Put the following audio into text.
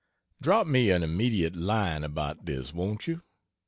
Drop me an immediate line about this, won't you?